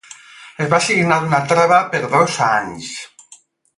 Es va signar una treva per dos anys.